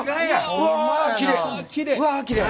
うわきれい！